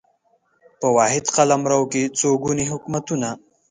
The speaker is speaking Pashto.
په واحد قلمرو کې څو ګوني حکومتونه